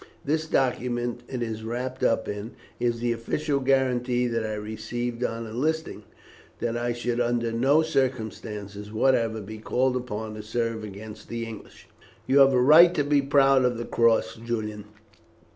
This document it is wrapped up in, is the official guarantee that I received on enlisting, that I should under no circumstances whatever be called upon to serve against the English." "You have a right to be proud of the cross, Julian.